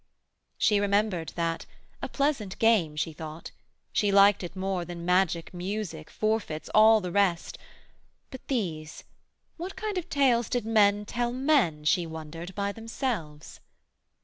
She remembered that: A pleasant game, she thought: she liked it more Than magic music, forfeits, all the rest. But these what kind of tales did men tell men, She wondered, by themselves?